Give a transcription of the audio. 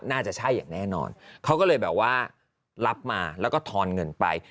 น่าจะใช่อย่างแน่นอนเขาก็เลยแบบว่ารับมาแล้วก็ทอนเงินไป